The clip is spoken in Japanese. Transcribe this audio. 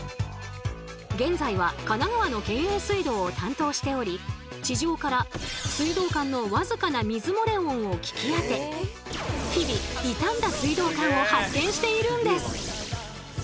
現在は神奈川の県営水道を担当しており地上から水道管の僅かな水漏れ音を聞きあて日々傷んだ水道管を発見しているんです。